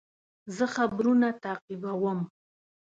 زه خبرونه تعقیبوم.